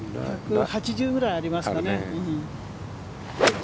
１８０ぐらいありますかね。